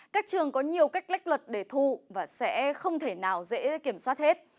các trường có nhiều cách lách luật để thu và sẽ không thể nào dễ kiểm soát hết